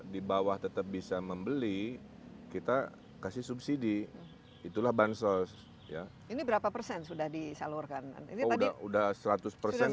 di bawah tetap bisa membeli kita kasih subsidi itulah bansos ya ini berapa persen sudah disalurkan